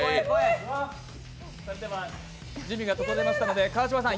準備が整いましたので、川島さん